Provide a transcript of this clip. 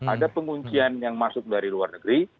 ada penguncian yang masuk dari luar negeri